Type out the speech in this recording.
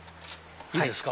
いいですか？